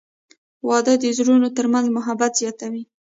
• واده د زړونو ترمنځ محبت زیاتوي.